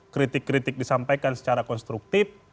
kritik kritik disampaikan secara konstruktif